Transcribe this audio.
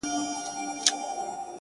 زما په لاس كي هتكړۍ داخو دلې ويـنـمـه ـ